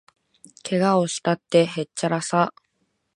けがをしたって、へっちゃらさ